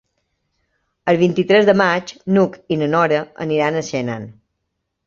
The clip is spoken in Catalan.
El vint-i-tres de maig n'Hug i na Nora iran a Senan.